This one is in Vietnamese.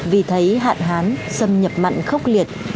vì thấy hạn hán xâm nhập mặn khốc liệt